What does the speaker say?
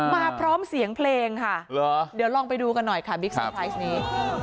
มาพร้อมเสียงเพลงค่ะเดี๋ยวลองไปดูกันหน่อยค่ะบิ๊กเซอร์ไพรส์นี้